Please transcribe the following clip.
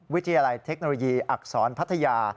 วิทยาลัยเทคโนโลยีอักษรพัทยา